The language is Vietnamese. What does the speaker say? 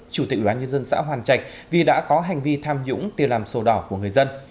chủ tịch ủy ban nhân dân xã hoàn trạch vì đã có hành vi tham nhũng tiêu làm sổ đỏ của người dân